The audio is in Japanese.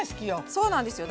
そうなんですよ。